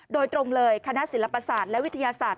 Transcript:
โดยตรงเลยคณะศิลปศาสตร์และวิทยาศาสตร์